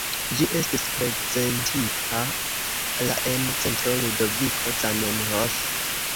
Ĝi estis prezentita la en Centro Ludoviko Zamenhof.